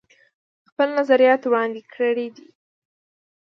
خپل نظريات وړاندې کړي دي